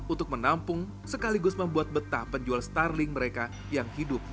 untuk menampung sekaligus membuat betah penjual starling mereka yang hidup di